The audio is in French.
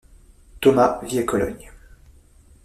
Thomas vit à Cologne.